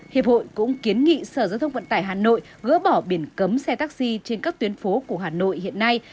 hiệp hội cũng kiến nghị sở giao thông vận tải hà nội gỡ bỏ biển cấm xe taxi trên các tuyến phố của hà nội hiện nay